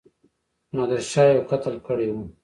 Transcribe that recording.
نادرشاه یو قتل کړی وو.